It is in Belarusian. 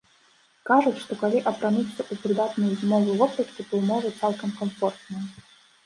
Кажуць, што калі апрануцца ў прыдатную зімовую вопратку, то ўмовы цалкам камфортныя.